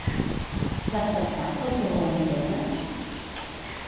L'has tastat, el torró a la pedra?